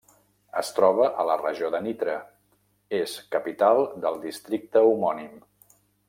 Es troba a la regió de Nitra, és capital del districte homònim.